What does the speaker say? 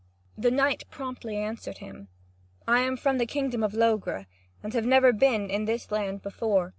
The knight promptly answered him: "I am from the kingdom of Logres, and have never been in this land before."